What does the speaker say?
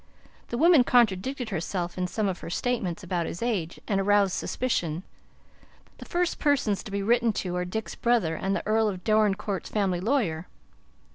The woman contradicted herself in some of her statements about his age, and aroused suspicion. The first persons to be written to are Dick's brother and the Earl of Dorincourt's family lawyer."